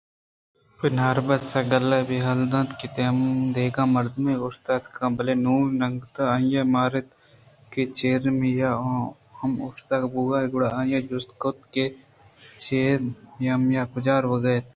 بناربس گل ءَ بے حال اَت کہ دگہ مردمے اوشتاتگ بلئے نوں ناگتءَ آئی ماراِت کہ جیریمیا ہم اوشتوک بوتگ گڑا آئی ءَ جست کُت کہ جیریمیا کجا روگءَ اِنت